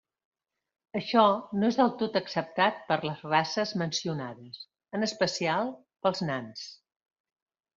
Això no és del tot acceptat per les races mencionades, en especial pels nans.